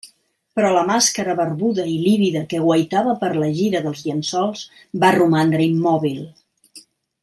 Però la màscara barbuda i lívida que guaitava per la gira dels llençols va romandre immòbil.